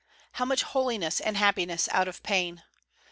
How much holiness and happiness out of pain!